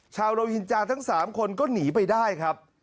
โรหินจาทั้ง๓คนก็หนีไปได้ครับ